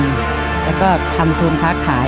เนี่ยก็ทำทุนค้าขาย